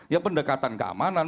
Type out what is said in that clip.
ya pendekatan keamanan